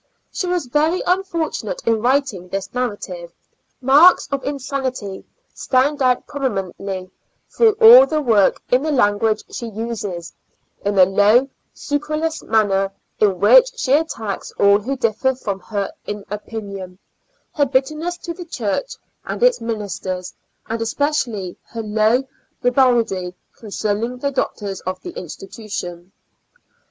She was very unfortunate in writing this narrative; marks of insanity stand out prominently through all the work in the lan guage she uses, in the low scurrilous manner in which she attacks all who differ from her in opinion, her bitterness to the Church, and its ministers, and especially her low ribaldry concerning the doctors of the institution.